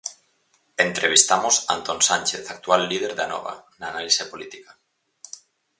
Entrevistamos Antón Sánchez, actual líder de Anova, na análise política.